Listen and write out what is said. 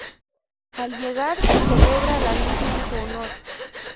Al llegar se celebra la misa en su honor.